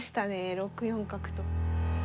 ６四角と。